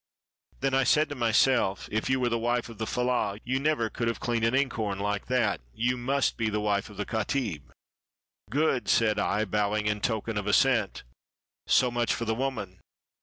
Then said I to myself, ' If you were the wife of the fellah, you never could have cleaned an inkhorn like that; you must be the wife of the katib.' "" Good!" said I, bowing in token of assent. "So much for the woman.